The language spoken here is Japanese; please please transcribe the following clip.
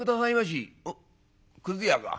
「おっくず屋か。